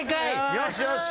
よしよし。